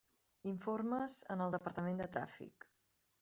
Informes en el departament de tràfic.